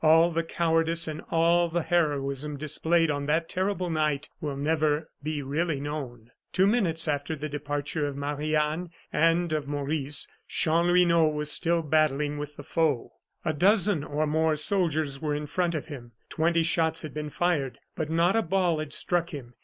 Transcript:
All the cowardice and all the heroism displayed on that terrible night will never be really known. Two minutes after the departure of Marie Anne and of Maurice, Chanlouineau was still battling with the foe. A dozen or more soldiers were in front of him. Twenty shots had been fired, but not a ball had struck him.